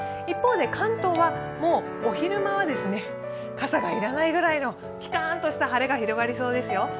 一方で関東はもうお昼間は傘が要らないぐらいのピカンとした晴れが広がりそうですよ。